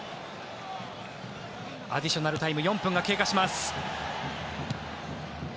アディショナルタイム４分が経過します。